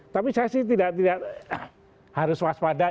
tapi saya sih tidak harus waspada